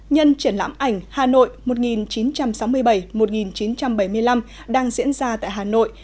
nhân triển lãm ảnh hà nội một nghìn chín trăm sáu mươi bảy một nghìn chín trăm bảy mươi năm đang diễn ra tại hà nội